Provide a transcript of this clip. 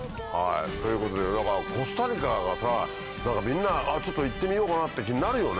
ということでコスタリカがさぁみんなちょっと行ってみようかなっていう気になるよね。